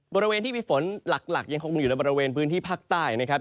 บริเวณที่มีฝนหลักยังคงมีอยู่ในบริเวณพื้นที่ภาคใต้นะครับ